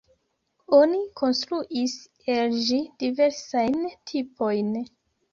Oni konstruis el ĝi diversajn tipojn.